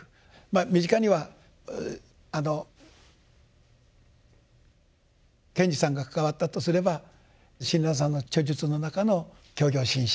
身近にはあの賢治さんが関わったとすれば親鸞さんの著述の中の「教行信証」。